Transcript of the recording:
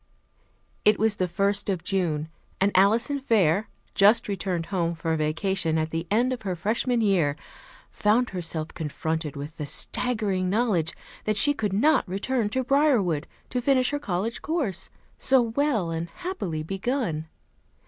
It was the first of June, and Alison Fair, just returned home for vacation at the end of her Freshman year, found herself confronted with the staggering knowledge that she could not return to Briarwood to finish her college course, so well and happily begun.